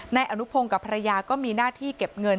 นายอนุพงศ์กับภรรยาก็มีหน้าที่เก็บเงิน